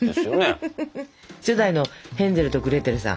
初代のヘンゼルとグレーテルさん。